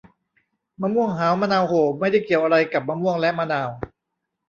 มะม่วงหาวมะนาวโห่ ไม่ได้เกี่ยวอะไรกับมะม่วงและมะนาว